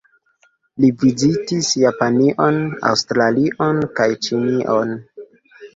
Li vizitis Japanion, Aŭstralion kaj Ĉinion.